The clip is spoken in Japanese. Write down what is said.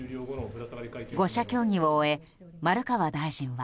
５者協議を終え、丸川大臣は。